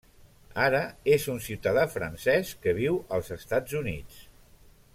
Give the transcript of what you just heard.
Ara és un ciutadà francès que viu als Estats Units.